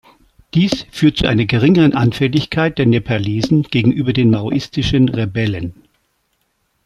Dies führt zu einer geringeren Anfälligkeit der Nepalesen gegenüber den maoistischen Rebellen.